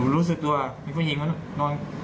รู้สึกว่ามีผู้หญิงนั้นนอน